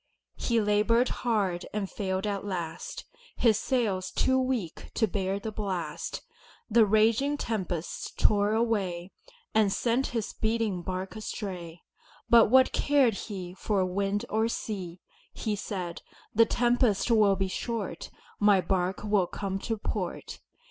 He labored hard and failed at last, His sails too weak to bear the blast, The raging tempests tore away And sent his beating bark astray. But what cared he For wind or sea! He said, "The tempest will be short, My bark will come to port."